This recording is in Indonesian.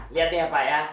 lihat nih ya pak ya